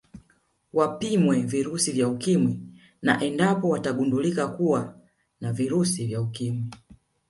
Wapimwe virusi vya Ukimwi na endapo watagundulika kuwa na virusi vya Ukimwi